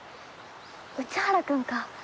内原君か。